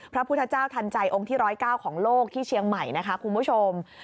พระพุทธเจ้าทันใจองค์ที่๑๐๙ของโลกที่เชียงใหม่นะคะคุณผู้ชม